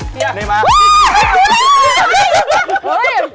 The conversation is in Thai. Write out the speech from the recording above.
เสียใจมาก